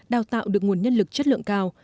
đào tạo được nguồn nhân lực chất lượng cao